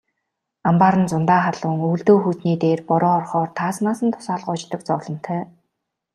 Амбаар нь зундаа халуун, өвөлдөө хүйтний дээр бороо орохоор таазнаас нь дусаал гоождог зовлонтой.